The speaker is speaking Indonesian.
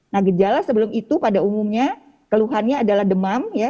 nah gejala sebelum itu pada umumnya keluhannya adalah demam ya